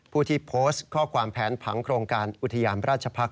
ผู้ที่โพสต์ข้อความแผนผังโครงการอุทยานราชพักษ